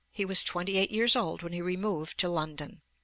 He was twenty eight years old when he removed to London.